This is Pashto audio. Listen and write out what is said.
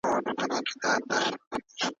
باید د قومونو ترمنځ همکاري زیاته سي.